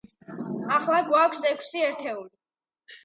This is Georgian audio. ახლა გვაქვს ექვსი ერთეული.